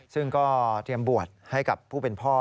ซึ่งก็เตรียมบัวให้ของพูดเป็นพ่อ